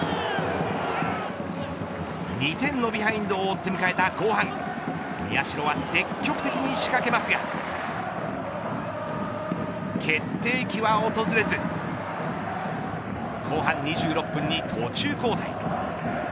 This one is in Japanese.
２点のビハインドを負って迎えた後半宮代は積極的に仕掛けますが決定機は訪れず後半２６分に途中交代。